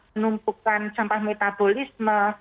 penumpukan sampah metabolisme